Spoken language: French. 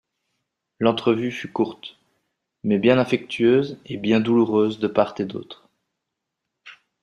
L'entrevue fut courte, mais bien affectueuse et bien douloureuse de part et d'autre.